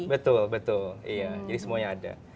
betul betul iya jadi semuanya ada